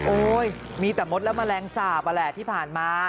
โอ้ยมีแต่มดและแมลงสาปนั่นแหละที่ผ่านมา